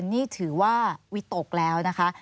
นี่ถือว่าวิตกแล้วนะคะ